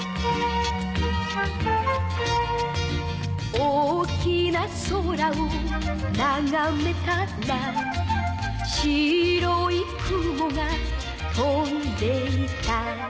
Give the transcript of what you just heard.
「大きな空をながめたら」「白い雲が飛んでいた」